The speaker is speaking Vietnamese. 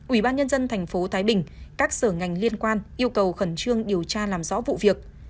ủy ban nhân dân tp thái bình các sở ngành liên quan yêu cầu khẩn trương điều tra làm rõ vụ việc